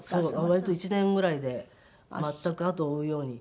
割と１年ぐらいで全く後を追うように。